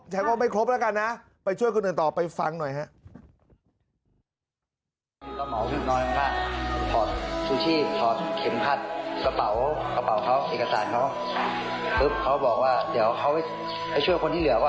ใช้ว่าไม่ครบแล้วกันนะไปช่วยคนอื่นต่อไปฟังหน่อยฮะ